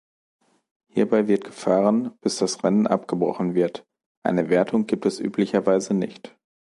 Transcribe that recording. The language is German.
Hierbei wird gefahren, bis das Rennen abgebrochen wird, eine Wertung gibt es üblicherweise nicht.